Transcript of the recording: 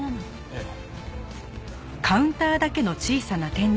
ええ。